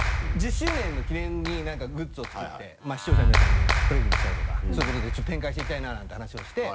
１０周年の記念に何かグッズを作って視聴者の皆さんにプレゼントしたりとかそういうことでちょっと展開していきたいななんて話をして。